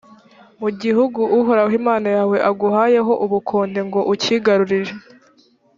mu gihugu uhoraho imana yawe aguhayeho ubukonde ngo ucyigarurire,